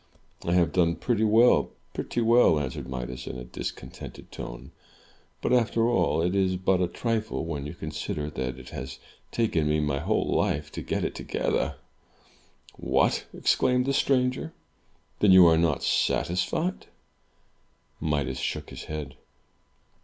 '*I have done pretty well — ^pretty well," answered Midas, in a discontented tone. "But, after all, it is but a trifle, when you consider that it has taken me my whole life to get it together. "What!" exclaimed the stranger. "Then you are not satisfied?" Midas shook his head.